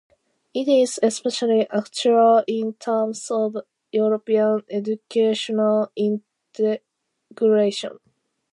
It is especially actual in terms of European educational integration.